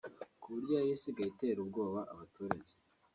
ku buryo yari isigaye itera ubwoba abaturage